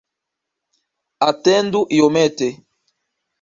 Atendu iomete.